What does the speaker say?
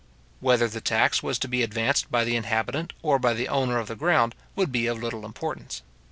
Whether the tax was to be advanced by the inhabitant or by the owner of the ground, would be of little importance.